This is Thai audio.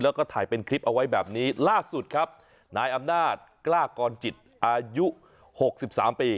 แล้วก็ถ่ายเป็นคลิปเอาไว้แบบนี้ล่าสุดครับนายอำนาจกล้ากรจิตอายุหกสิบสามปี